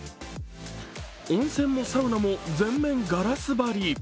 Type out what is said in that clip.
温泉もサウナも、全面ガラス張り。